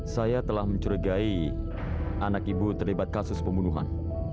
saya telah mencurigai anak ibu terlibat kasus pembunuhan